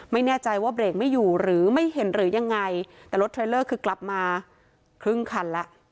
ไม่แน่ใจว่าเบรกไม่อยู่หรือไม่เห็นหรือยังไงแต่รถเทรลเลอร์คือกลับมาครึ่งคันแล้ว